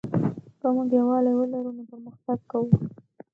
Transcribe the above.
که موږ یووالی ولرو نو پرمختګ کوو.